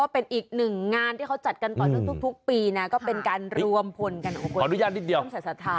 เป็นอีกหนึ่งงานที่เราจัดกันไปทุกปีเรามีการรวมพลกับอุณหภัยพรรค์พำจัดสธา